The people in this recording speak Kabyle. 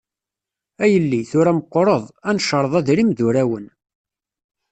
A yelli, tura meqqreḍ, ad necreḍ adrim d urawen.